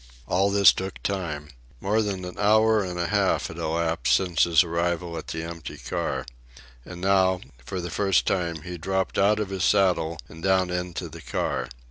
All this took time. More than an hour and a half had elapsed since his arrival at the empty car. And now, for the first time, he dropped out of his saddle and down into the car.